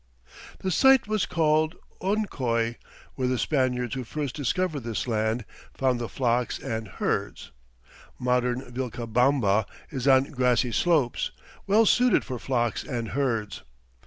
The site was called "Onccoy, where the Spaniards who first discovered this land found the flocks and herds." Modern Vilcabamba is on grassy slopes, well suited for flocks and herds.